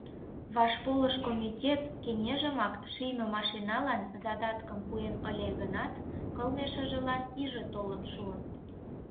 Вашполыш комитет кеҥежымак шийме машиналан задаткым пуэн ыле гынат, кылме шыжылан иже толын шуын.